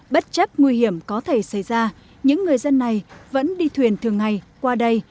bất chấp nguy hiểm có thể xảy ra những người dân này vẫn đi thuyền thường ngày qua đây